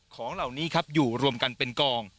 ของเหล่านี้ครับอยู่รวมกันเป็นกอง